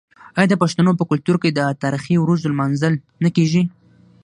آیا د پښتنو په کلتور کې د تاریخي ورځو لمانځل نه کیږي؟